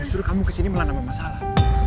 justru kamu kesini malah nambah masalah